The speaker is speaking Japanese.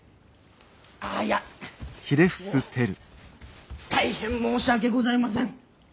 あいや大変申し訳ございません。